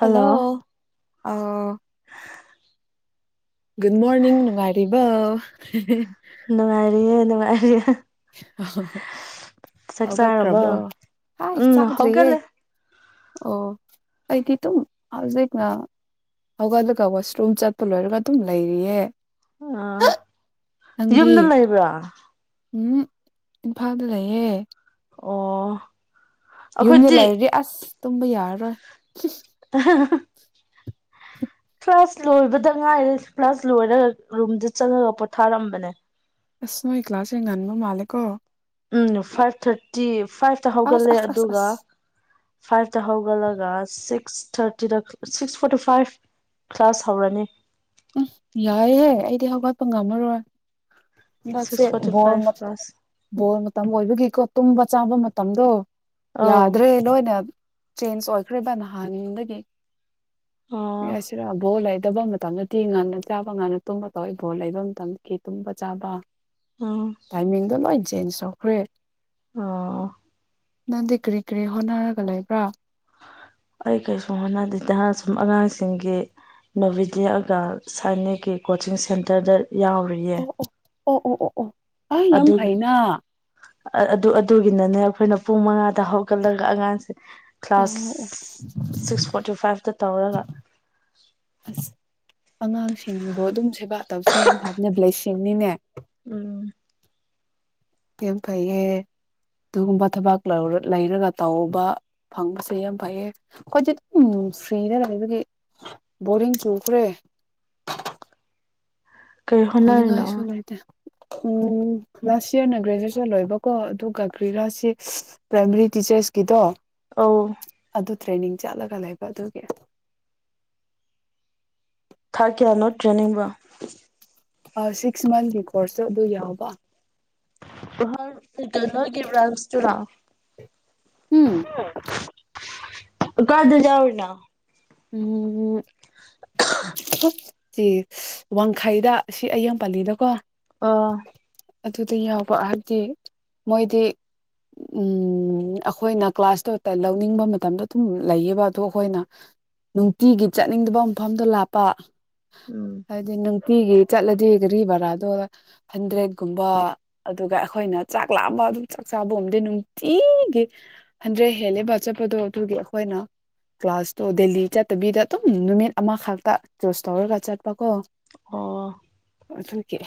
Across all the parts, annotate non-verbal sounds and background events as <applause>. hello uh good morning ꯅꯨꯡꯉꯥꯏꯔꯤꯕ ꯅꯨꯡꯉꯥꯏꯔꯤꯌꯦ ꯅꯨꯡꯉꯥꯏꯔꯤꯌꯦ ꯆꯥꯛ ꯆꯥꯔꯕꯣ ꯍꯧꯒꯠ꯭ꯔꯕꯣ ꯍ ꯎꯝ ꯆꯗ꯭ꯔꯤꯌꯦꯦ ꯍꯧꯒꯠꯂꯦ ꯑꯣ ꯑꯩꯒꯤ ꯑꯗꯨꯨꯝ ꯍꯧꯖꯤꯛꯅ ꯑꯗꯨꯒ ꯑꯗꯨꯒ ꯋꯥꯁꯔꯨꯝ ꯆꯠꯄ ꯂꯣꯏꯔꯒ ꯑꯗꯨꯝ ꯂꯩꯔꯤꯌꯦ ꯑ ꯅꯪꯗꯤ ꯌꯨꯝꯗ ꯂꯩꯕ꯭ꯔꯥ ꯎꯝ ꯏꯝꯐꯥꯜꯗ ꯂꯩꯌꯦꯦ ꯑꯣ ꯌꯨꯝꯗ ꯑꯩꯈꯣꯏꯗꯤ ꯂꯩꯔꯗꯤ ꯑꯁ ꯇꯨꯝꯕ ꯌꯥꯔꯔꯣꯏ ꯀ꯭ꯂꯥꯁ ꯂꯣꯏꯕꯗ ꯉꯥꯏꯔꯦ ꯀ꯭ꯂꯥꯁ ꯂꯣꯏꯔꯒ ꯔꯨꯝꯗ ꯆꯪꯉꯒ ꯄꯣꯊꯥꯔꯛꯝꯕꯅꯦ ꯑꯁ ꯅꯣꯏ ꯀ꯭ꯂꯥꯁ ꯌꯦꯡꯒꯟꯕ ꯃꯥꯜꯂꯦ ꯀꯣ ꯎꯝ ꯐꯥꯏꯚ ꯊꯥꯔꯇꯤ ꯐꯥꯏꯚꯇ ꯑꯁ ꯍꯧꯒꯠꯂꯦ ꯑꯁ ꯑꯁ ꯑꯗꯨꯒ ꯑꯁ ꯐꯥꯏꯚꯇ ꯍꯧꯒꯠꯂꯒ ꯁꯤꯛꯁ ꯁꯤꯛꯁ ꯊꯥꯔꯇꯤꯗ ꯁꯤꯛꯁ ꯐꯣꯔꯇꯤ ꯐꯥꯏꯚ ꯀ꯭ꯂꯥꯁ ꯍꯧꯔꯅꯤ ꯎꯝ ꯌꯥꯏꯍꯦ ꯑꯩꯗꯤ ꯍꯧꯒꯠꯄ ꯉꯝꯃꯔꯣꯏ ꯁꯦ ꯁꯤꯛꯁ ꯐꯣꯔꯇꯤ ꯣꯜ ꯃ ꯐꯥꯏꯚ ꯀ꯭ꯂꯥꯁ ꯣꯜ ꯃ ꯃꯇꯝ ꯑꯣꯏꯕꯒꯤꯀꯣ ꯇꯨꯝꯕ ꯆꯥꯕ ꯃꯇꯝꯗꯣ ꯑꯧ ꯌꯥꯗ꯭ꯔꯦ ꯂꯣꯏꯅ ꯆꯦꯟꯖ ꯑꯣꯏꯈ꯭ꯔꯦꯔꯤꯕ ꯅꯍꯥꯟꯗꯒꯤ ꯑꯣ ꯍꯥꯏꯁꯤꯔꯥ ꯕꯣ ꯗꯕ ꯃꯇꯝꯗꯗꯤ ꯉꯟꯅ ꯆꯥꯕ ꯉꯟꯅ ꯇꯨꯝꯕ ꯇꯧꯏꯕꯣ ꯂꯩꯕ ꯃꯇꯝ ꯀ ꯇꯨꯝꯕ ꯆꯥꯕ ꯎꯝ ꯇꯥꯏꯃꯤꯡꯗ ꯂꯣꯏ ꯆꯦꯟꯖ ꯇꯧꯈ꯭ꯔꯦ ꯑ ꯅꯪꯗꯤ ꯀ꯭ꯔꯤ ꯀꯔꯤ ꯍꯣꯠꯅꯔꯒ ꯂꯩꯕ꯭ꯔꯥ ꯑꯩ ꯀꯩꯁꯨꯨꯝ ꯍꯣꯠꯅꯗꯗ ꯁꯨꯝ ꯑꯉꯥꯡꯁꯤꯡꯒꯤ ꯅꯣꯚꯤ ꯂꯛꯑꯒ ꯁꯥꯏꯅꯤꯒꯤ ꯀꯣꯆꯤꯡ ꯁꯦꯟꯇꯔꯗ ꯌꯥꯎꯔꯤꯌꯦ ꯑꯣ ꯑꯣ ꯑꯣ ꯑꯣ ꯑꯣ ꯑꯣ ꯑ ꯌꯥꯝ ꯑꯗꯨ ꯐꯩꯅ ꯑꯗꯨ ꯑꯗꯨꯒꯤꯅꯅꯦ ꯑꯩꯈꯣꯏꯅ ꯄꯨꯡ ꯃꯉꯥꯗ ꯍꯧꯒꯠꯂꯒ ꯑꯉꯥꯡꯁꯦ ꯀ꯭ꯂꯥꯁ ꯑꯣ ꯁꯤꯛꯁ ꯐꯣꯔꯇꯤ ꯐꯥꯏꯚꯇ ꯇꯧꯔꯒ ꯑꯁ ꯑꯉꯥꯡꯁꯤꯡꯕꯨꯣ ꯑꯗꯨꯝ ꯁꯦꯕꯥ ꯇꯧꯁꯦ ꯌꯥꯝ ꯐꯕꯅꯦ ꯕ꯭ꯂꯦꯁꯤꯡꯅꯤꯅꯦ ꯎꯝ ꯀꯦꯝ ꯀꯩꯦ ꯑꯗꯨꯒꯨꯝꯕ ꯊꯕꯛ ꯂꯩꯔꯒ ꯇꯧꯕ ꯐꯪꯕꯁꯦ ꯌꯥꯝ ꯐꯩꯌꯦ ꯑꯩꯣꯏꯗꯤ ꯑꯗꯨꯝ ꯐꯔꯤꯗ ꯂꯩꯕꯒꯤ ꯕꯣꯔꯤꯡ ꯆꯨꯈ꯭ꯔꯦ <inaudible> ꯀꯩ ꯇꯣꯅꯤꯡ ꯍꯣꯠꯅꯔꯤꯅꯣ ꯉꯥꯏꯁꯨ ꯂꯩꯥꯏꯇꯦ ꯎꯝ ꯂꯥꯁ ꯏꯌꯥꯔꯅ ꯒ꯭ꯔꯦꯖꯨꯑꯦꯁꯟ ꯂꯣꯏꯕꯀꯣ ꯑꯗꯨꯒ ꯀ꯭ꯔꯤꯂꯥꯥꯁꯦ ꯄ꯭ꯔꯥꯏꯃꯔꯤ ꯇꯤꯆꯔ ꯆꯦꯁꯀꯤꯗꯣ ꯑ ꯑꯗꯨ ꯇ꯭ꯔꯦꯅꯤꯡ ꯆꯠꯂꯒ ꯂꯩꯕ ꯑꯗꯨꯒꯤ ꯊꯥꯀꯤꯦꯅꯣ ꯇ꯭ꯔꯅꯤꯡꯕ ꯁꯤꯛꯁ ꯃꯟꯊꯀꯤ ꯀꯣꯔꯁꯇ ꯑꯗꯨ ꯌꯥꯎꯕ ꯣ ꯀꯕ꯭ꯔ ꯆꯅ ꯎꯝ ꯀꯔꯗ ꯌꯥꯎꯅ ꯎꯝ ꯁꯤ ꯋꯥꯡꯈꯩꯗ ꯁꯤ ꯑ ꯌꯥꯝ ꯄꯜꯂꯤꯗ ꯀꯣ ꯑꯥ ꯑꯗꯨꯗꯥ ꯌꯥꯎꯕ ꯍꯥꯏꯕꯗꯤ ꯃꯣꯏꯗꯤ ꯎꯝ ꯑꯩꯈꯣꯏꯅꯥ ꯀ꯭ꯂꯥꯁꯇꯣ ꯂꯧꯅꯤꯡꯕ ꯃꯇꯝꯗ ꯑꯗꯨꯝ ꯂꯩꯌꯦꯕ ꯑꯗ ꯑꯩꯈꯣꯏꯅ ꯅꯨꯡꯇꯤꯒꯤ ꯆꯠꯅꯤꯡꯗꯕ ꯃꯐꯝꯗꯣ ꯂꯥꯞꯄ ꯎꯝ ꯍꯥꯏꯗꯤ ꯅꯨꯡꯇꯤꯒꯤ ꯆꯠꯂꯗꯤ ꯒꯥꯔꯤ ꯚꯔꯥꯗꯣ ꯍꯟꯗ꯭ꯔꯦꯠꯀꯨꯝꯕ ꯑꯗꯨꯒ ꯑꯩꯈꯣꯏꯅ ꯆꯥꯛ ꯂꯥ ꯑꯗꯨꯝ ꯆꯥꯛ ꯆꯥꯕꯝꯗ ꯅꯨꯡꯇꯤꯒꯤ ꯍꯟꯗ꯭ꯔꯦꯠ ꯍꯦꯜꯂꯤꯕ ꯆꯠꯄꯗꯣ ꯑꯗꯨꯒꯤ ꯑꯩꯈꯣꯏꯅ ꯀ꯭ꯂꯥꯁꯇꯣ ꯗꯦꯂꯤ ꯆꯠꯇꯕꯤꯗ ꯑꯗꯨꯝ ꯅꯨꯃꯤꯠ ꯑꯃꯈꯛꯇ ꯀ꯭ꯂꯣꯁ ꯇꯧꯔꯒ ꯆꯠꯄꯀꯣ ꯑꯣ ꯑꯗꯨꯒꯤ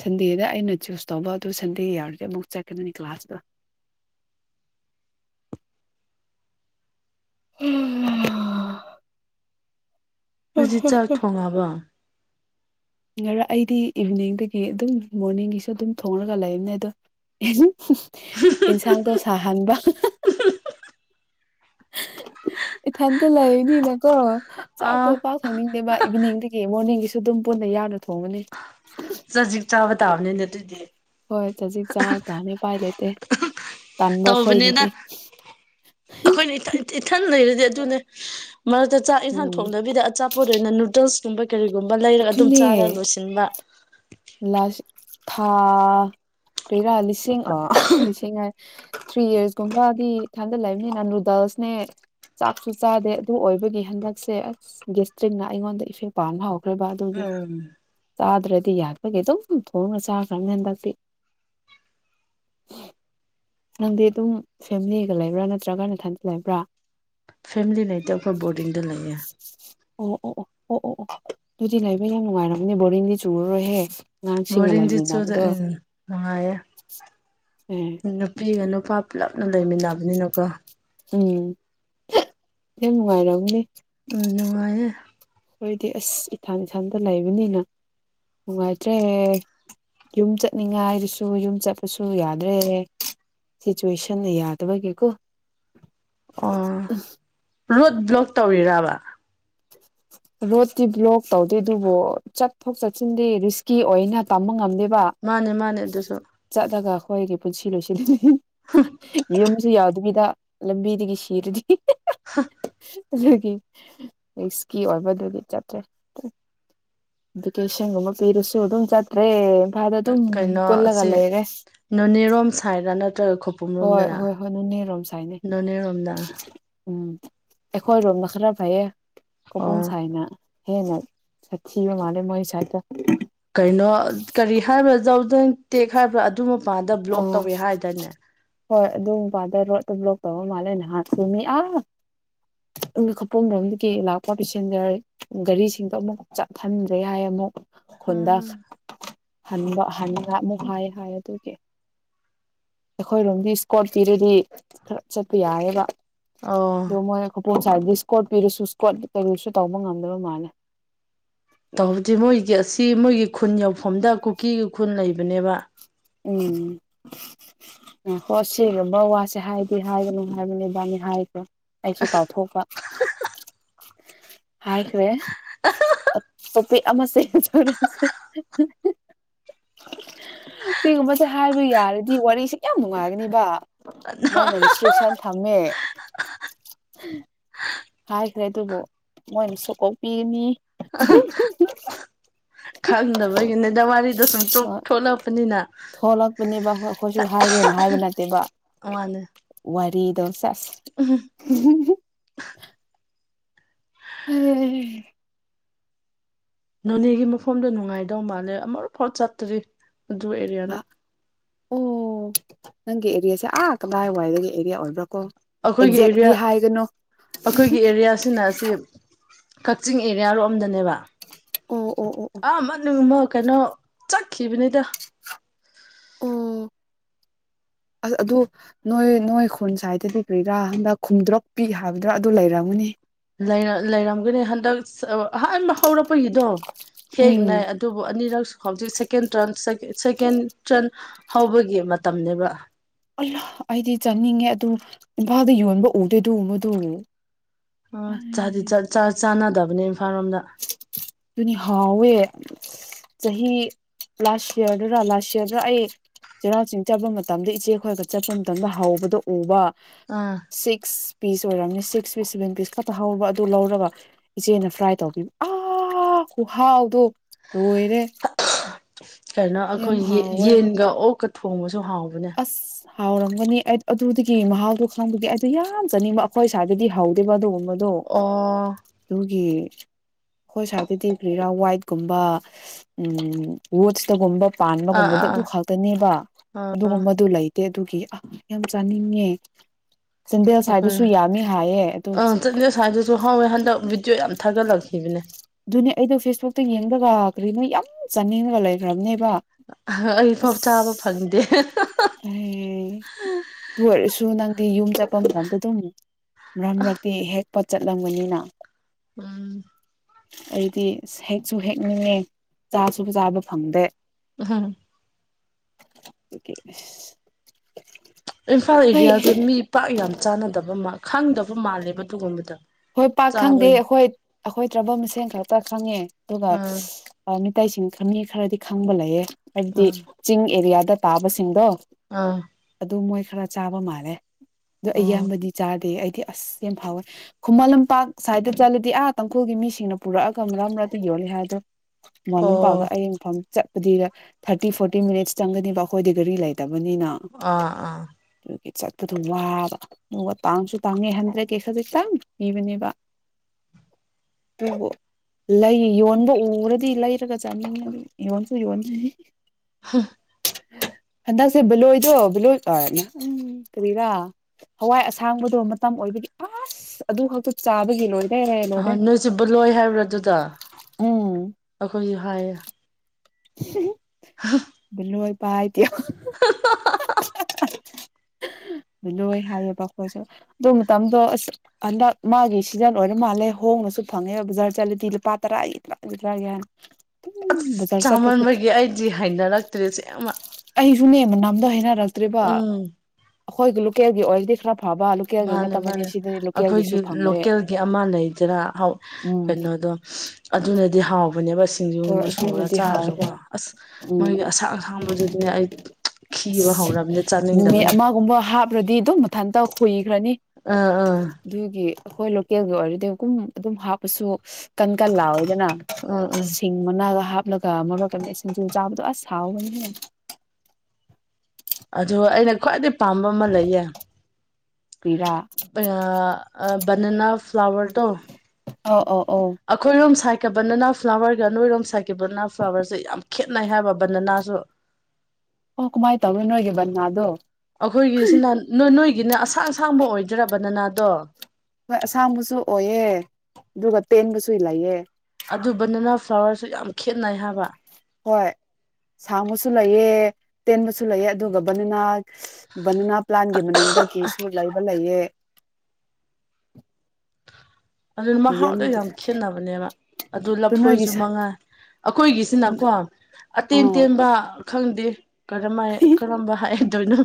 ꯁꯟꯗꯦꯗ ꯑꯩꯅ ꯆꯨꯁ ꯇꯧꯕ ꯑꯗꯨ ꯁꯟꯗꯦ ꯌꯥꯎꯔꯗꯤ ꯑꯃꯨꯛ ꯆꯠꯀꯗꯅꯤ ꯀ꯭ꯂꯥꯁꯇꯣ <inaudible> ꯎꯝ ꯍꯧꯖꯤꯠ ꯆꯥꯛ ꯊꯣꯡꯉꯕ ꯉꯔ ꯑꯩꯗꯤ ꯏꯚꯤꯅꯤꯡꯗꯒꯤ ꯑꯗꯨꯝ ꯃꯣꯔꯅꯤꯡꯒꯤꯁꯨ ꯑꯗꯨꯝ ꯊꯣꯡꯂꯒ ꯂꯩꯕꯅꯦ ꯑꯗꯣ ꯏꯟꯁꯥꯡꯗꯣ ꯁꯥꯍꯟꯕ ꯏꯊꯟꯇ ꯂꯩꯥꯛꯅꯤꯅꯀꯣ ꯆꯥꯛꯇꯣ ꯑꯥ ꯄꯥꯛ ꯊꯣꯡꯅꯤꯡꯗꯦꯕ ꯏꯚꯤꯅꯤꯡꯗꯒꯤ ꯃꯣꯔꯅꯤꯡꯒꯤꯁꯨ ꯑꯗꯨꯝ ꯄꯨꯟꯅ ꯌꯥꯝꯅ ꯊꯣꯡꯉꯅꯤ ꯆꯖꯤꯛ ꯆꯥꯕ ꯇꯥꯕꯅꯤꯅꯦ ꯑꯗꯨꯑꯣꯏꯗꯤ ꯇꯥꯟꯕꯥꯛ ꯍ ꯇꯧꯕꯅꯤꯅ ꯀꯦ ꯑꯩꯈꯣꯏꯅ ꯏꯊꯟ ꯂꯩꯔꯗꯤ ꯑꯗꯨꯅꯦ ꯃꯔꯛꯇ ꯆꯥꯛ ꯏꯟꯁꯥꯡ ꯎꯝ ꯊꯣꯡꯗꯕꯤꯗ ꯑꯆꯥꯄꯣꯠ ꯑꯣꯏꯅ ꯅꯨꯗꯜꯁꯀꯨꯝꯕ ꯀꯔꯤꯒꯨꯝꯕ ꯂꯩꯔꯒ ꯑꯗꯨꯝ ꯑꯗꯨꯅꯦ ꯆꯥꯔ ꯂꯣꯏꯁꯤꯟꯕ ꯊꯥ ꯄꯩꯔꯥ ꯂꯤꯁꯤꯡ ꯂꯤꯁꯤꯡ ꯍꯥꯏ ꯊ꯭ꯔꯤ ꯌꯔꯁꯀꯨꯝꯕꯒꯤ ꯊꯟꯗꯜꯂꯛꯕꯅꯤꯅ ꯅꯨꯗꯜꯁꯅꯦ ꯆꯥꯛꯁꯨ ꯆꯥꯗꯦ ꯑꯗꯨ ꯑꯣꯏꯕꯒꯤ ꯍꯟꯗꯛꯁꯦ ꯑꯁ ꯒꯦꯁꯇ꯭ꯔꯤꯛꯅ ꯑꯩꯉꯣꯟꯗ ꯏꯐꯦꯛ ꯄꯥꯅ ꯍꯧꯦ ꯕꯥ ꯑꯗꯨꯒꯤ ꯎꯝ ꯆꯥꯗ꯭ꯔꯗꯤ ꯌꯥꯗꯦ ꯀꯩꯇꯧ ꯊꯣꯡꯒ ꯆꯥꯈ꯭ꯔ ꯍꯟꯗꯛꯇꯤ ꯅꯪꯗꯤ ꯑꯗꯨꯝ ꯐꯦꯃꯤꯂꯤꯒ ꯂꯩꯕ꯭ꯔꯥ ꯅꯠꯇ꯭ꯔꯒ ꯊꯟꯗ ꯂꯩꯕ꯭ꯔꯥ ꯐꯦꯃꯤꯂꯤ ꯂꯩꯇꯦ ꯑꯩꯈꯣꯏ ꯕꯣꯔꯗꯤꯡꯗ ꯂꯩꯌꯦ ꯑꯣ ꯑꯣ ꯑꯣ ꯑꯣ ꯑꯣ ꯑꯣ ꯑꯗꯨꯗꯤ ꯂꯩꯕ ꯌꯥꯝ ꯅꯨꯡꯉꯥꯏꯔꯝꯅꯦ ꯕꯣꯔꯡꯗꯤ ꯆꯨꯔꯔꯣꯏꯍꯦ ꯑꯉꯥꯡꯁꯤꯡꯒ ꯔꯤꯗꯤ ꯆꯣꯗ ꯂꯩꯃꯤꯟꯅꯕꯗꯣ ꯎꯝ ꯉꯅꯨꯡꯉꯦ ꯑꯦ ꯅꯨꯄꯤꯒ ꯅꯨꯄꯥ ꯄꯨꯜꯂꯞꯅ ꯂꯩꯃꯤꯟꯅꯕꯅꯤꯅꯀꯣ ꯎꯝ ꯍ ꯅꯨꯡꯉꯥꯏꯔꯝꯅꯦ ꯎꯝ ꯅꯨꯡꯉꯥꯏꯦ ꯍꯣꯏꯗꯤ ꯑꯁ ꯏꯊꯥꯟ ꯏꯁꯥꯟꯗ ꯂꯩꯕꯅꯤꯅ ꯅꯨꯡꯉꯥꯏꯇ꯭ꯔꯦ ꯌꯨꯝ ꯆꯠꯅꯤꯡꯉꯥꯏꯗꯨꯁꯨ ꯌꯨꯝ ꯆꯠꯄꯁꯨ ꯌꯥꯗ꯭ꯔꯦꯔꯦ ꯁꯤꯆꯨꯋꯦꯁꯟ ꯌꯥꯗꯕꯒꯤꯀꯣ ꯑꯣ ꯔꯣꯠ ꯕ꯭ꯂꯣꯛ ꯇꯧꯔꯤꯔꯕ ꯔꯣꯠꯇꯇꯤ ꯕ꯭ꯂꯣꯛ ꯇꯧꯗꯦ ꯑꯗꯨꯕꯨ ꯆꯠꯊꯣꯛ ꯆꯠꯁꯤꯟꯗꯦ ꯔꯤꯁꯀꯤ ꯑꯣꯏꯅ ꯇꯝꯕ ꯉꯝꯗꯦ ꯃꯥꯅꯦ ꯃꯥꯅꯦ ꯑꯗꯨꯁꯨ ꯆꯠꯂꯒ ꯑꯩꯣꯏꯒꯤ ꯄꯨꯟꯁꯤ ꯂꯣꯏꯁꯤꯟꯂꯅꯤ ꯌꯨꯝꯁꯨ ꯌꯥꯎꯗꯕꯤꯗ ꯂꯝꯕꯤꯗꯒꯤ ꯁꯤꯔꯗꯤ ꯑꯗꯨꯒꯤ ꯔꯤꯁꯀꯤ ꯑꯣꯏꯕꯗꯨꯗꯤ ꯆꯠꯇ꯭ꯔꯦ ꯚꯤꯀꯦꯁꯟꯒꯨꯝꯕ ꯄꯤꯔꯁꯨ ꯑꯗꯨꯝ ꯆꯠꯇ꯭ꯔꯦ ꯏꯝꯐꯥꯜꯗ ꯑꯗꯨꯝ ꯀꯩꯅꯣ ꯀꯜꯂꯒ ꯑꯁꯤ ꯂꯩꯔꯦ ꯅꯣꯅꯦꯔꯣꯝ ꯁꯥꯏꯠꯅ ꯅꯠꯇ꯭ꯔꯒ ꯍꯣꯏ ꯈꯄꯨꯝꯔꯣꯝꯗꯅ ꯍꯣꯏ ꯍꯣꯏ ꯅꯣꯅꯦꯔꯣꯝ ꯁꯥꯏꯅꯦ ꯅꯣꯅꯦꯔꯣꯝꯗ ꯎꯝ ꯑꯩꯈꯣꯏꯔꯣꯝꯗ ꯈꯔ ꯐꯩꯌꯦ ꯀꯄꯨꯝ ꯑꯣ ꯁꯥꯏꯅ ꯍꯦꯟꯅ ꯆꯊ ꯃꯥꯦ ꯃ ꯁꯥꯠꯇ ꯀꯩꯅꯣ ꯀꯔꯤ ꯍꯥꯏꯕ꯭ꯔꯥ ꯖꯎꯗꯪ ꯇꯦꯛ ꯍꯥꯏꯕ꯭ꯔꯥ ꯑꯗꯨ ꯄꯥꯗ ꯕ꯭ꯂꯣꯛ ꯑꯥ ꯇꯧꯋꯦ ꯍꯥꯏꯗꯥꯏꯅꯦ ꯍꯣꯏ ꯑꯗꯨ ꯅꯨꯄꯥꯗ ꯔꯣꯠꯇ ꯕ꯭ꯂꯣꯛ ꯇꯧꯕ ꯃꯥꯜꯂꯦ ꯅꯍꯥꯟꯁꯨ ꯃꯤ ꯑꯥ ꯎꯝ ꯈꯥꯄꯨꯝ ꯂꯣꯝꯗꯒꯤ ꯂꯥꯛꯄ ꯄꯦꯁꯦꯟꯖꯔ ꯒꯥꯔꯤꯁꯤꯡꯗꯣ ꯑꯃꯨꯛ ꯆꯠꯍꯟꯗ꯭ꯔꯦ ꯌꯥꯏꯌꯦ ꯑꯃꯨꯛ ꯈꯨꯟꯗ ꯑꯥ ꯍꯟꯕ ꯍꯟꯕ ꯑꯃꯨꯛ ꯍꯥꯏꯋꯦ ꯍꯥꯏ ꯑꯗꯨꯒꯤ ꯑꯩꯈꯣꯏꯔꯣꯝꯗꯤ ꯁ꯭ꯀꯣꯠ ꯄꯤꯔꯗꯤ ꯈꯔ ꯆꯠꯄ ꯌꯥꯏꯌꯦꯕ ꯑꯣ ꯑꯗꯣ ꯃꯣꯏ ꯈꯨꯄꯨꯡ ꯁꯥꯏꯗꯗꯤ ꯏꯁꯀꯣꯠ ꯄꯤꯔꯁꯨ ꯏꯁꯀꯣꯠ ꯀꯦꯜꯁꯨ ꯇꯧꯕ ꯉꯝꯗꯔꯕ ꯃꯥꯜꯂꯦ ꯇꯧꯕꯗꯤ ꯃꯣꯏꯒꯤ ꯑꯁꯤ ꯃꯣꯏꯒꯤ ꯈꯨꯟ ꯌꯧꯐꯝꯗ ꯀꯨꯀꯤꯒꯤ ꯈꯨꯟ ꯂꯩꯕꯅꯦꯕ ꯎꯝ ꯎꯝ ꯍꯣꯏ ꯁꯤꯒꯨꯝꯕ ꯋꯥꯁꯦ ꯍꯥꯏꯗꯤ ꯍꯥꯏꯒꯅꯨ ꯍꯥꯏꯕꯅꯦ ꯏꯕꯥꯏꯅꯤ ꯍꯥꯏꯈ꯭ꯔꯦ ꯑꯩꯁꯨ ꯀꯥꯎꯊꯣꯛꯄ ꯍꯥꯏꯈ꯭ꯔꯦ ꯃꯤ ꯑꯃꯁꯦ ꯁꯨꯏꯔꯟꯁꯦ ꯁꯤꯒꯨꯝꯕꯁꯦ ꯍꯥꯏꯕ ꯌꯥꯔꯗꯤ ꯋꯥꯔꯤꯁꯦ ꯀꯌꯥꯝ ꯅꯨꯡꯉꯥꯏꯒꯅꯤꯗ <inaudible> ꯊꯝꯃꯦ ꯍꯥꯏꯈ꯭ꯔꯦ ꯑꯗꯨꯕꯨ ꯃꯣꯏꯅ ꯁꯨ ꯀꯣꯛꯄꯤꯒꯅꯤ ꯍꯨꯝ ꯍꯨꯝ ꯍꯨꯝ <inaudible> ꯈꯪꯗꯕꯒꯤꯅꯦꯗ ꯋꯥꯔꯤꯗ ꯁꯨꯝ ꯆꯣꯛ ꯊꯣꯛꯂꯛꯄꯅꯤꯅ ꯎꯨ ꯅꯠꯇꯦꯕ ꯋꯥꯅꯦ ꯋꯥꯔꯤꯗꯣ ꯁꯦꯁ ꯎꯝ ꯍꯨꯝ ꯍꯨꯝ ꯍꯔꯦ ꯍꯔꯦ ꯅꯣꯅꯦꯒꯤ ꯃꯐꯝꯗꯣ ꯅꯨꯡꯉꯥꯏꯗꯧ ꯃꯥꯜꯂꯦ ꯑꯃꯔꯛ ꯐꯥꯎ ꯆꯠꯇ꯭ꯔꯤ ꯑꯗꯨ ꯑꯦꯔꯤꯌꯥꯗ ꯑꯣ ꯅꯪꯒꯤ ꯑꯦꯔꯤꯌꯥꯁꯦ ꯑꯥ ꯀꯗꯥꯥꯏꯋꯥꯏꯗꯒꯤ ꯑꯦꯔꯤꯌꯥ ꯑꯣꯏꯕ꯭ꯔꯥ ꯀꯣ ꯑꯩꯈꯣꯏꯒꯤ ꯑꯦꯔꯤꯌꯥ ꯑꯦꯛꯖꯦꯛꯇꯤ ꯍꯥꯏꯒꯅꯨ ꯑꯩꯈꯣꯏꯒꯤ ꯑꯦꯔꯤꯌꯥꯁꯤꯅ ꯑꯁꯤ ꯀꯛꯆꯤꯡ ꯑꯦꯔꯤꯌꯥꯔꯣꯝꯗꯅꯦꯕ ꯑꯣ ꯑꯣ ꯑꯣ ꯑꯣ ꯑꯥ ꯃꯅꯨꯡ ꯃꯛ ꯀꯩꯅꯣ ꯆꯠꯈꯤꯕꯅꯤꯗ ꯑꯣ <inaudible> ꯑꯁ ꯑꯗꯨ ꯅꯣꯏ ꯅꯣꯏ ꯈꯨꯟ ꯁꯥꯏꯗꯇꯗꯤ ꯀꯔꯤꯔꯥ ꯍꯟꯗꯛ ꯈꯨꯝꯗ꯭ꯣꯔꯛꯄꯤ ꯍꯥꯏꯕꯗꯨꯔꯥ ꯑꯗꯨ ꯂꯩꯔꯝꯒꯅꯤ ꯂꯩꯔꯝ ꯂꯩꯔꯝꯒꯅꯤ ꯍꯟꯗꯛ ꯁꯕ ꯑꯍꯥꯟꯕ ꯍꯧꯔꯛꯄꯒꯤꯗꯣ ꯎꯝ ꯍꯦꯛꯅꯩ ꯑꯗꯨꯕꯨ ꯑꯅꯤꯔꯛꯁꯨ ꯍꯧꯖꯤꯛ ꯁꯦꯀꯦꯟ ꯇ꯭ꯔꯟ ꯁꯦꯀꯦꯟ ꯁꯦꯀꯦꯟ ꯇ꯭ꯔꯟ ꯍꯧꯕꯒꯤ ꯃꯇꯝꯅꯤꯅꯦꯕ ꯑꯂꯥ ꯑꯩꯗꯤ ꯆꯅꯤꯡꯉꯦ ꯑꯗꯨ ꯏꯝꯐꯥꯜꯗ ꯌꯣꯟꯕ ꯎꯗꯦꯗꯨ ꯃꯗꯨ ꯑ ꯆꯥꯗꯤ ꯆ ꯆꯥ ꯆꯥꯟꯅꯗꯕꯅꯦ ꯏꯝꯐꯥꯜ ꯔꯣꯝꯗ ꯑꯗꯨꯅꯦ ꯍꯥꯎꯋꯦ ꯆꯍꯤ ꯂꯥꯁꯠ ꯌꯦꯔꯗꯔ ꯂꯥꯁꯠ ꯌꯦꯔꯗ ꯑꯩ ꯆꯩꯔꯥꯛ ꯆꯤꯡ ꯆꯠꯄ ꯃꯇꯝꯗ ꯏꯆꯦꯈꯣꯏꯒ ꯆꯠꯄ ꯃꯇꯝꯗ ꯍꯧꯕꯗꯣ ꯎꯕ ꯑꯥ ꯁꯤꯛꯁ ꯄꯤꯁ ꯑꯣꯏꯔꯝꯅꯤ ꯁꯤꯛꯁ ꯄꯤꯁ ꯁꯦꯚꯦꯟ ꯄꯤꯁ ꯈꯛꯇ ꯍꯧꯕ ꯑꯗꯨ ꯂꯧꯔꯒ ꯏꯆꯦꯅ ꯐ꯭ꯔꯥꯏ ꯇꯧ ꯎꯝ ꯑꯥ ꯈꯨꯍꯥꯎꯗꯨ ꯀꯩꯅꯣ ꯌꯥꯝ ꯑꯩꯈꯣꯏ ꯌꯦꯟ ꯍꯥꯎꯋꯦ ꯌꯦꯟꯒ ꯑꯣꯛꯀ ꯊꯣꯡꯕꯁꯨ ꯍꯥꯎꯕꯅꯦ ꯑꯁ ꯍꯥꯎꯔꯝꯒꯅꯤ ꯑꯩ ꯑꯗꯨꯗꯒꯤ ꯃꯍꯥꯎꯗꯨ ꯈꯪꯕꯗꯤ ꯑꯩꯗꯣ ꯌꯥꯝꯆꯅꯤꯡꯕ ꯑꯩꯈꯣꯏ ꯁ꯭ꯥꯏꯗꯗꯤ ꯍꯧꯗꯦꯕ ꯑꯗꯨꯒꯨꯝꯕ ꯃꯗꯨꯣ ꯑꯣ ꯑꯗꯨꯒꯤ ꯈꯣꯏ ꯁꯥꯏꯗ ꯗꯗꯤ ꯀ꯭ꯔꯤꯔꯥ ꯋꯥꯏꯠ ꯀꯨꯝꯕ ꯎꯝ ꯋꯨꯗꯁ ꯇꯒꯨꯝꯕ ꯑꯥ ꯄꯥꯟꯕꯒꯨꯝꯕꯗ ꯑꯥ ꯑꯗꯨ ꯈꯛꯇꯅꯦꯕ ꯑꯥ ꯑꯗꯨꯒꯨꯝꯕꯗꯨ ꯂꯩ ꯇꯦ ꯑꯗꯨꯒꯤ ꯑꯥ ꯌꯥꯝ ꯆꯥꯅꯤꯡꯉꯦ ꯆꯥꯟꯗꯦꯜ ꯍꯝꯎꯝ ꯁꯥꯏꯗꯁꯨ ꯌꯥꯝꯃꯦ ꯍꯥꯏꯌꯦ ꯑꯗꯨ ꯑꯥ ꯆꯠꯅꯦ ꯁ꯭ꯋꯥꯏꯗꯁꯨ ꯍꯥꯎꯋꯦ ꯍꯟꯗꯛ ꯕꯤꯗꯤꯑꯣ ꯌꯥꯝ ꯊꯒꯠ ꯂꯛꯈꯤ ꯕꯅꯦ ꯑꯗꯨꯅꯦ ꯑꯩꯗꯣ ꯐꯦꯁꯕꯨꯛꯇ ꯌꯦꯡꯂꯒ ꯀ꯭ꯔꯤꯅꯣ ꯌꯥꯝ ꯆꯥꯅꯤꯡꯉ ꯂꯩꯈ꯭ꯔꯝꯕꯅꯦ ꯑꯍꯥ ꯑꯩꯐꯥꯎ ꯆꯥꯕ ꯐꯪꯗꯦ ꯑꯦꯗꯨꯂ ꯑꯣꯏꯔꯁꯨ ꯅꯪꯗꯤ ꯌꯨꯝ ꯆꯠꯄ ꯃꯇꯝꯗ ꯗꯨꯝ ꯃꯔꯛ ꯃꯔꯛꯇꯤ ꯍꯦꯛꯄ ꯆꯠꯂꯝꯒꯅꯤꯅ ꯎꯝ ꯑꯩꯗꯤ ꯍꯦꯛꯁꯨ ꯍꯦꯛꯅꯤꯡꯉꯦ ꯆꯥꯁꯨ ꯆꯥꯕ ꯐꯪꯗꯦ <unintelligible> <unintelligible> ꯏꯝꯐꯥꯜ ꯍꯣꯏ ꯑꯦꯔꯤꯌꯥꯁꯦ ꯃꯤ ꯄꯥꯛ ꯌꯥꯝ ꯆꯥꯟꯅꯗꯕ ꯈꯪꯗꯕ ꯃꯥꯜꯂꯦꯕ ꯗꯨꯒꯨꯝꯕꯗꯣ ꯍꯣꯏ ꯄꯥꯛ ꯈꯪꯗꯦ ꯑꯈꯣꯏ ꯑꯈꯣꯏ ꯇ꯭ꯔꯥꯏꯕꯦꯜ ꯃꯁꯦꯟ ꯈꯛꯇ ꯈꯪꯉꯦ ꯑꯗꯨꯒ ꯑꯥ ꯃꯇꯩꯁꯤꯡ ꯈ ꯃꯤ ꯈꯔꯗꯤ ꯈꯪꯕ ꯂꯩꯌꯦ ꯍꯥꯏꯕꯗꯤ ꯑꯥ ꯆꯤꯡ ꯑꯦꯔꯤꯌꯥꯗ ꯇꯥꯕꯁꯤꯡꯗꯣ ꯑꯥ ꯑꯗꯨꯃꯣꯏ ꯈꯔ ꯆꯥꯕ ꯃꯥꯜꯂꯦ ꯑꯗꯣ ꯑꯣ ꯑꯩꯌꯥꯝꯕꯗꯤ ꯆꯥꯗꯦ ꯑꯩꯗꯤ ꯑꯁ ꯌꯥꯝ ꯍꯥꯎꯋꯦ ꯈꯨꯃꯟ ꯂꯝꯄꯥꯛ ꯁꯥꯏꯠꯇ ꯆꯠꯂꯗꯤ ꯑꯥ ꯇꯥꯡꯈꯨꯜꯒꯤ ꯃꯤꯁꯤꯡꯅ ꯄꯨꯔꯛꯑꯒ ꯃꯔꯛ ꯃꯔꯛꯇ ꯌꯣꯜꯂꯤ ꯍꯥꯏꯗꯣ ꯃ ꯑꯣ ꯂꯝꯄꯥꯛꯇ <unintelligible> ꯐꯝ ꯆꯠꯄꯗꯤꯗ ꯊꯥꯔꯇꯤ ꯐꯣꯔꯇꯤ ꯃꯤꯅꯤꯠꯁ ꯆꯪꯒꯅꯤꯕ ꯑꯩꯈꯣꯏꯗꯤ ꯒꯥꯔꯤ ꯂꯩꯇ ꯕꯅꯤꯅ ꯑꯥ ꯑꯥ ꯆꯠꯄꯗꯨ ꯋꯥꯕ ꯗꯨꯒ ꯇꯥꯡꯁꯨ ꯇꯥꯡꯉꯦ ꯍꯟꯗ꯭ꯔꯦꯠꯀꯤ ꯈꯖꯤꯛꯇꯪ ꯄꯤꯕꯅꯦꯕ ꯗꯨꯕꯨ ꯂꯩ ꯌꯣꯟꯕ ꯎꯔꯗꯤ ꯂꯩꯔꯒ ꯆꯥꯅꯤꯡꯉꯦ ꯌꯣꯟꯁꯨ ꯌꯣꯟꯗꯦ ꯍꯥ ꯍꯟꯗꯛꯁꯦ ꯕꯦꯂꯣꯏꯗꯣ ꯕꯦꯂꯣꯏ ꯎ ꯀꯔꯤꯔꯥ ꯍꯋꯥꯏ ꯑꯁꯥꯡꯕꯗꯣ ꯃꯇꯝ ꯑꯣꯏꯕ ꯑꯁ ꯑꯗꯨ ꯈꯛꯇ ꯆꯥꯕꯒꯤ ꯂꯣꯏ ꯑꯍ ꯅꯣꯏꯁꯨ ꯕꯦꯂꯣꯏ ꯍꯥꯏꯕ꯭ꯔꯥ ꯑꯗꯨꯗ ꯎꯝ ꯑꯈꯣꯏꯁꯨ ꯍꯥꯏꯌꯦ ꯅꯣꯏ ꯄꯥꯏꯇꯦ <unintelligible> ꯕꯦꯂꯣꯏ ꯍꯥꯏꯌꯦꯕ ꯑꯈꯣꯏꯁꯨ ꯑꯗꯨ ꯃꯇꯝꯗꯣ ꯑꯁ ꯍꯟꯗꯛ ꯃꯥꯒꯤ ꯁꯤꯖꯟ ꯑꯣꯏꯔ ꯃꯥꯜꯂꯦ ꯍꯣꯡ ꯅꯁꯨ ꯐꯪꯉꯦ ꯕꯖꯥꯔ ꯆꯠꯂꯗꯤ ꯂꯨꯄꯥ ꯇꯔꯥꯒꯤ ꯇꯔꯥꯒꯤ ꯍꯥꯏꯅ ꯕꯖꯥꯔ ꯆꯠ ꯃꯟꯕꯒꯤ ꯑꯩꯗꯤ ꯍꯩꯅꯔꯛꯇ꯭ꯔꯦ ꯑꯁꯦꯡꯕ ꯁꯨꯅꯦ ꯃꯅꯝꯗ ꯍꯩꯅꯔꯛꯇ꯭ꯔꯤꯕ ꯎꯝ ꯑꯈꯣꯏꯒꯤ ꯂꯣꯀꯦꯜꯒꯤ ꯑꯣꯏꯔꯗꯤ ꯈꯔ ꯐꯕ ꯂꯣꯀꯦꯜꯒꯤ ꯃꯥꯅꯦ ꯅꯠꯇꯕꯅꯦ ꯃꯥꯅꯦ ꯁꯤꯗꯤ ꯂꯣꯀꯦꯜꯒꯤꯁꯨ ꯑꯈꯣꯏꯒꯤ ꯐꯪꯗꯦ ꯂꯣꯀꯦꯜꯒꯤ ꯑꯃꯥ ꯂꯩꯩꯗꯅ ꯎꯝ ꯀꯩꯅꯣꯗꯣ ꯑꯗꯨꯅꯗꯤ ꯍꯥꯎ ꯕꯅꯦꯕ ꯍꯣꯏ ꯁꯤꯡꯖꯨꯒꯨꯝꯕ ꯁꯨꯔꯥ ꯑꯗꯨꯅꯗꯤ ꯍꯥꯎꯋꯦꯕ ꯆꯥꯔꯁꯨꯀꯣ ꯑꯁ ꯎꯝ ꯃꯣꯏꯒꯤ ꯑꯁꯥꯡ ꯑꯁꯥꯡꯕꯗꯨꯗꯤꯅꯦ ꯑꯩ ꯈꯤꯕ ꯑꯁ ꯍꯧꯔꯕꯅꯦ ꯅꯨꯃꯤꯠ ꯆꯥꯅꯤꯡꯗꯕꯅ ꯑꯃꯒꯨꯝꯕ ꯍꯥꯞꯔꯗꯤ ꯑꯗꯨꯝ ꯃꯊꯟ ꯇꯧ ꯈꯨꯏꯈ꯭ꯔꯅꯤ ꯑꯥ ꯑꯥ ꯑꯗꯨꯒꯤ ꯑꯈꯣꯏ ꯂꯣ ꯀꯦꯜꯒꯤ ꯑꯣꯏꯔꯗꯤ ꯀꯨꯝ ꯑꯗꯨꯝ ꯍꯥꯞꯄꯁꯨ ꯀꯟ ꯀꯟ ꯂꯥꯎꯋꯤꯗꯅ ꯑꯥ ꯑꯥ ꯁꯤꯡ ꯃꯅꯥꯒ ꯍꯥꯞ ꯂꯒ ꯃꯔꯛ ꯀꯩꯅ ꯁꯤꯡꯖꯨ ꯆꯥꯕꯗꯣ ꯑꯁ ꯍꯥꯎꯕꯅꯤꯍꯦ ꯑꯗꯣ ꯑꯩꯅ ꯈ꯭ꯋꯥꯏꯗꯩ ꯄꯥꯝꯕ ꯑꯃ ꯂꯩꯌꯦ ꯀꯔꯤꯔꯥ ꯑ ꯕꯅꯅ ꯐ꯭ꯂꯥꯋꯔꯗꯣ ꯑꯣ ꯑꯣ ꯑꯩꯈꯣꯏꯔꯣꯝ ꯁꯥꯏ ꯕꯟꯅꯅꯥ ꯐ꯭ꯂꯥꯋꯔꯒ ꯅꯣꯏꯔꯣꯝ ꯁꯥꯏꯀꯤ ꯕꯟꯅꯅꯥ ꯐ꯭ꯂꯥꯋꯔꯁꯦ ꯌꯥꯝ ꯈꯦꯠꯅꯩ ꯍꯥꯏꯕ ꯕꯟꯅꯅꯥꯁꯨ <unintelligible> ꯑꯣ ꯀꯃꯥꯏ ꯇꯧꯋꯤ ꯅꯣꯏꯒꯤ ꯕꯟꯅꯅꯥ ꯗꯣ ꯑꯈꯣꯏꯒꯤꯁꯤꯅ ꯅꯣꯏꯒꯤꯅꯦ ꯑꯁꯥꯡ ꯑꯁꯥꯡꯕ ꯑꯣꯏꯗ꯭ꯔ ꯕꯟꯅꯅꯥꯗꯣ ꯍꯣꯏ ꯑꯁꯥꯡꯕꯁꯨ ꯑꯣꯏꯑꯦ ꯑꯗꯨꯒ ꯇꯦꯟꯕꯁꯨ ꯂꯩꯌꯦ ꯑꯗꯨ ꯕꯅꯅꯥ ꯐ꯭ꯂꯥꯋꯔꯁꯨ ꯌꯥꯝ ꯈꯦꯠꯅꯩ ꯍꯥꯏꯕ ꯍꯣꯏ ꯁꯥꯡꯕꯁꯨ ꯂꯩꯑ ꯇꯦꯟꯕꯁꯨ ꯂꯩꯑ ꯑꯗꯨꯒ ꯕꯅꯅꯥ ꯕꯅꯅꯥ ꯄ꯭ꯂꯥꯟꯒꯤ ꯃꯅꯨꯡ ꯍꯟꯗꯛꯀꯤꯁꯨ ꯂꯩꯕ ꯂꯩꯌꯦ <unintelligible> ꯑꯗꯨꯅ ꯃꯍꯥꯎꯗꯣ ꯌꯥꯝ ꯈꯦꯠꯅꯕꯅꯦꯕ ꯑꯗꯨ ꯂꯐꯣꯏꯁꯨ ꯃꯉꯥꯏ ꯑꯈꯣꯏꯒꯤꯁꯤꯅꯀꯣ ꯑꯇꯦꯟ ꯑꯥ ꯇꯦꯟꯕ ꯈꯪꯗꯦ ꯀꯔꯝꯥꯏ ꯀꯔꯝꯕ ꯍꯥꯏꯗꯣꯏꯅꯣ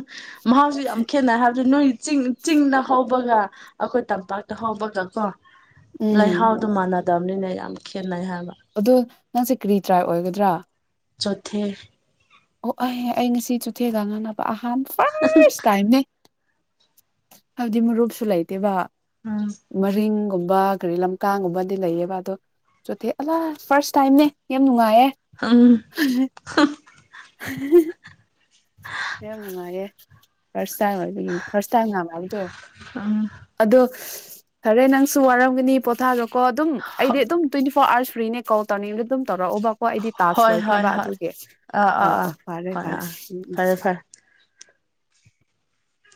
ꯃꯍꯥꯎꯁꯨ ꯌꯥꯝ ꯈꯦꯠꯅꯩ ꯍꯥꯏꯕꯗꯨ ꯅꯣꯏ ꯆꯤꯡ ꯆꯤꯡꯅ ꯍꯧꯕꯒ ꯑꯩꯈꯣꯏ ꯇꯝꯄꯥꯛꯇ ꯍꯧꯕꯒ ꯀꯣ ꯎꯝ ꯂꯩꯍꯥꯎꯗꯣ ꯃꯥꯟꯅꯗꯕꯅꯤꯅꯦ ꯌꯥꯝ ꯈꯦꯠꯅꯩ ꯍꯥꯏꯕ ꯑꯗꯣ ꯅꯪꯁꯦ ꯀꯔꯤ ꯇ꯭ꯔꯥꯏ ꯑꯣꯏꯒꯗ꯭ꯔꯥ ꯆꯣꯊꯦ ꯑꯣ ꯑꯩꯍꯦ ꯑꯩ ꯉꯁꯤ ꯆꯨꯊꯦꯒ ꯉꯥꯅꯕ ꯑꯍꯥꯟꯕ ꯐꯥꯔꯁ ꯇꯥꯏꯝꯅꯦ ꯍꯥꯏꯕꯗꯤ ꯃꯔꯨꯞꯁꯨ ꯂꯩꯇꯦꯕ ꯎꯝ ꯃꯔꯤꯡꯒꯨꯝꯕ ꯀꯔꯤ ꯂꯝꯀꯥꯡꯒꯨꯝꯕꯗꯤ ꯂꯩꯌꯦꯕ ꯑꯗꯣ ꯆꯣꯊꯦ ꯑꯂꯥ ꯐꯥꯔꯁ ꯇꯥꯏꯝꯅꯦ ꯌꯥꯝ ꯅꯨꯡꯉꯥꯏꯌꯦ ꯑꯝ <unintelligible> ꯌꯥꯝ ꯅꯨꯡꯉꯥꯏꯌꯦ ꯇꯥꯏꯝ ꯑꯣꯏꯕꯒꯤ ꯐꯥꯔꯁ ꯇꯥꯏꯝ ꯎꯝ <unintelligible> ꯑꯗꯣ ꯐꯔꯦ ꯅꯪꯁꯨ ꯋꯥꯔꯝꯒꯅꯤ ꯄꯣꯊꯥꯔꯣꯀꯣ ꯑꯗꯨꯝ ꯑꯩꯗꯤ ꯑꯗꯨꯝ ꯇ꯭ꯋꯦꯟꯇꯤ ꯐꯣꯔ ꯑꯋꯥꯔꯁ ꯐ꯭ꯔꯤꯅꯦ ꯀꯣ ꯇꯧꯔꯅꯤꯡꯕꯗ ꯑꯗꯨꯝ ꯇꯧꯔꯛꯎꯕ ꯀꯣ ꯑꯩꯗꯤ ꯇꯥꯥꯛꯁ ꯍꯣꯏ ꯍꯣꯏ ꯂꯣꯏꯈ꯭ꯔꯦꯕ ꯍꯣꯏ ꯑꯗꯨꯒꯤ ꯑꯥ ꯑ ꯑꯥ ꯑꯥ ꯑ ꯐꯔꯦ ꯍꯣꯏ ꯑꯥ ꯐꯔꯦ ꯑꯥ ꯎꯝ ꯎꯝ ꯐꯔꯦ ꯐꯔꯦ